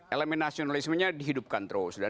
elemen nasionalismenya dihidupkan terus dan lain lain